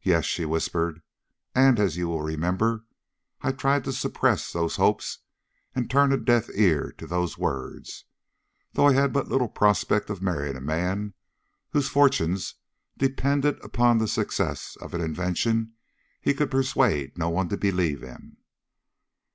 "Yes," she whispered, "and, as you will remember, I tried to suppress those hopes and turn a deaf ear to those words, though I had but little prospect of marrying a man whose fortunes depended upon the success of an invention he could persuade no one to believe in."